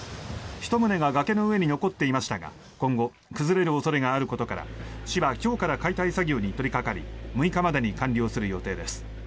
１棟が崖の上に残っていましたが今後崩れる恐れがあることから市は今日から解体作業に取りかかり６日までに完了する予定です。